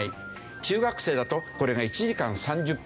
中学生だとこれが１時間３０分以内。